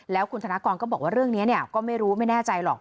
แล้วคุณธนกรก็บอกว่าเรื่องนี้ก็ไม่รู้ไม่แน่ใจหรอก